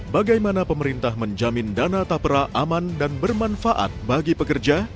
bagaimana pemerintah menjamin dana tapera aman dan bermanfaat bagi pekerja